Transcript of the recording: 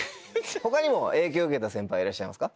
他にも影響を受けた先輩いらっしゃいますか？